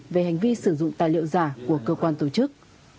về hành vi sử dụng tài liệu giả của cơ quan tổ chức